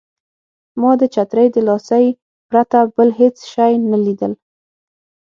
ما د چترۍ د لاسۍ پرته بل هېڅ شی نه لیدل.